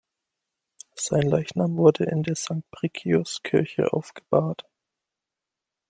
Sein Leichnam wurde in der Sankt-Briccius-Kirche aufgebahrt.